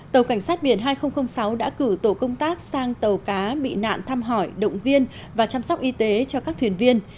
tàu cảnh sát biển hai nghìn sáu đã cử tổ công tác sang tàu cá bị nạn thăm hỏi động viên và chăm sóc y tế cho các thuyền viên